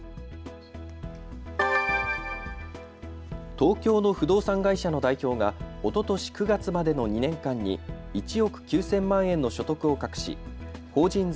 東京の不動産会社の代表がおととし９月までの２年間に１億９０００万円の所得を隠し法人税